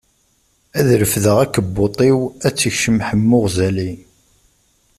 Ad refdeɣ akebbuṭ-iw, ad tt-ikcem Ḥemmu Ɣzali.